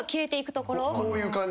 こういう感じ？